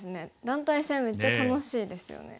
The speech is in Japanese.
団体戦めっちゃ楽しいですよね。